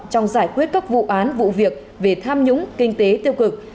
trong giải quyết các vụ án vụ việc về tham nhũng kinh tế tiêu cực